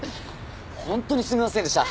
本当にすみませんでした。